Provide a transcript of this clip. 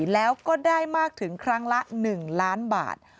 แล้วก็ได้มากถึงครั้งละ๑ล้านบาท